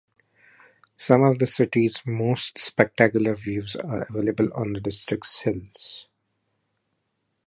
Some of the city's most spectacular views are available on the district's hills.